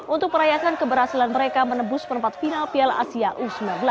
untuk merayakan keberhasilan mereka menebus perempat final piala asia u sembilan belas